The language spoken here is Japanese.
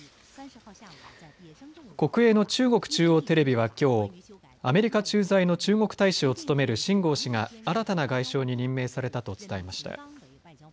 国営の中国中央テレビはきょうアメリカ駐在の中国大使を務める秦剛氏が新たな外相に任命されたと伝えました。